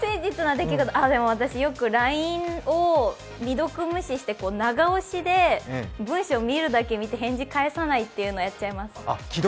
私、よくＬＩＮＥを未読無視して長押しで文章を見えるだけ見て、返さないというのがありますね。